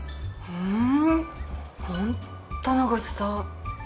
うん！